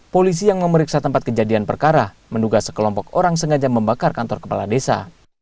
polisi yang memeriksa tempat kejadian perkara menduga sekelompok orang sengaja membakar kantor kepala desa